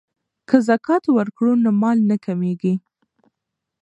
که زکات ورکړو نو مال نه کمیږي.